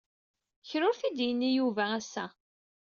Kra ur t-id-yenni Yuba assa.